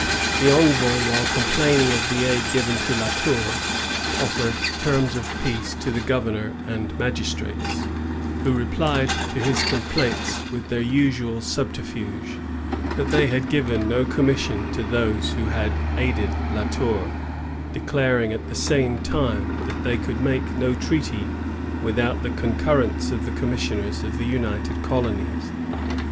The envoy, while complaining of the aid given to La Tour, offered terms of peace to the gov ernor and magistrates, — who replied to his com plaints with their usual subterfuge, that they had given no commission to those who had aided La Tour, declaring at the same time that they could make no treaty without the concurrence of the com missioners of the United Colonies.